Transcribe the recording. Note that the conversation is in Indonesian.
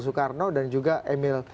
soekarno dan juga emil